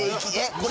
これ。